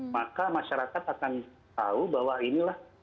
maka masyarakat akan tahu bahwa inilah